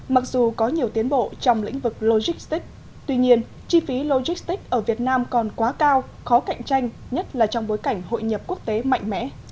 mặc dù có nhiều tiến bộ trong lĩnh vực logistics tuy nhiên chi phí logistics ở việt nam còn quá cao khó cạnh tranh nhất là trong bối cảnh hội nhập quốc tế mạnh mẽ